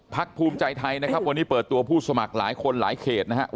ภูมิใจไทยนะครับวันนี้เปิดตัวผู้สมัครหลายคนหลายเขตนะครับ